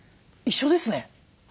一緒ですね。